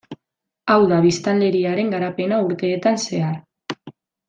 Hau da biztanleriaren garapena urteetan zehar.